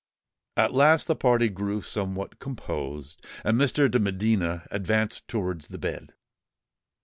At last the party grew somewhat composed; and Mr. de Medina advanced towards the bed.